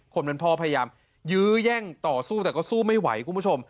คนเป็นพ่อพยายามยื้อแย่งต่อสู้แต่ก็สู้ไม่ไหวคุณผู้ชม